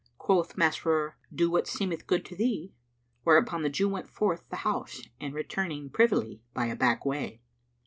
Quoth Masrur, "Do what seemeth good to thee;" whereupon the Jew went forth the house and returning privily by a back way.